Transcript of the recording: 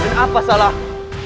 dan apa salahmu